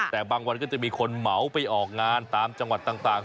แต่บางวันก็จะมีคนเหมาไปออกงานตามจังหวัดต่าง